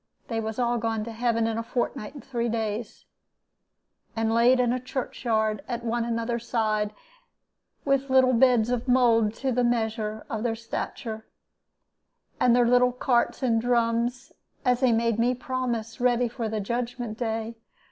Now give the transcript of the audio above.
They was all gone to heaven in a fortnight and three days, and laid in the church yard at one another's side, with little beds of mould to the measure of their stature, and their little carts and drums, as they made me promise, ready for the judgment day.